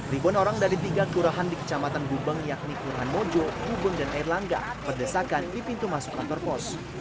ribuan orang dari tiga kelurahan di kecamatan gubeng yakni kelurahan mojo gubeng dan air langga berdesakan di pintu masuk kantor pos